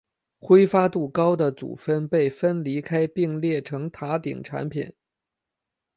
挥发度高的组分被分离开并形成塔顶产品。